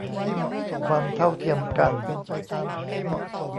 ความเท่าเทียมกัน